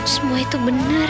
semua itu benar